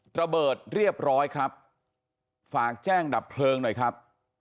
ระเบิดเรียบร้อยครับฝากแจ้งดับเพลิงหน่อยครับ